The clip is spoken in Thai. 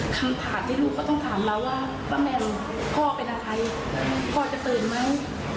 คำถามที่ลูกก็ต้องถามเราว่าป้าแมวพ่อเป็นอะไรพ่อจะตื่นไหม